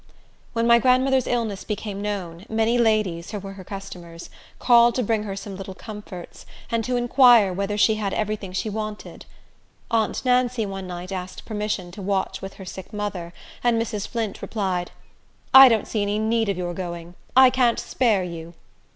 When my grandmother's illness became known, many ladies, who were her customers, called to bring her some little comforts, and to inquire whether she had every thing she wanted. Aunt Nancy one night asked permission to watch with her sick mother, and Mrs. Flint replied, "I don't see any need of your going. I can't spare you."